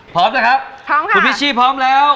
พร้อมนะครับพี่พิชชี่พร้อมแล้ว